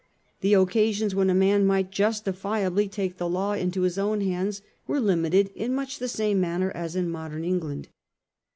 The occasions when a man might justi fiably take the law into his own hands were limited in much the same manner as in modern England.